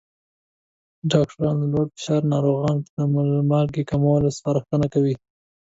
ډاکټران له لوړ فشار ناروغانو ته د مالګې کمولو سپارښتنه کوي.